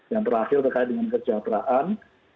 yang terakhir terkait dengan kesejahteraan